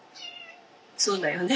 そうだよね。